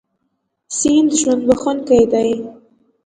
سیند ژوند بښونکی دی.